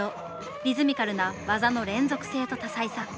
リズミカルな技の連続性と多彩さ。